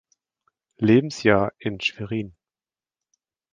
Lebensjahr in Schwerin.